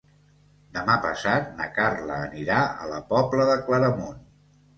Demà passat na Carla anirà a la Pobla de Claramunt.